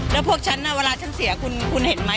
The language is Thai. ปากกับภาคภูมิ